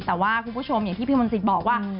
แต่ว่าคุณผู้ชมอย่างที่พี่มนตรีบอกว่า